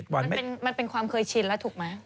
๒๑วันมันเป็นความเคยชินแล้วถูกมั้ย